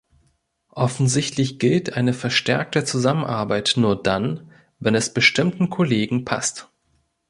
Offensichtlich gilt eine verstärkte Zusammenarbeit nur dann, wenn es bestimmten Kollegen passt.